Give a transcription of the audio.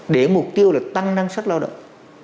để mục tiêu là tăng năng suất lao động